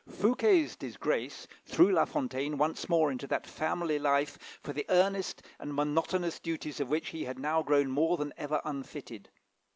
Fouquet's disgrace threw La Fontaine once more into that family life for the earnest and monotonous duties of which he had now grown more than ever unfitted.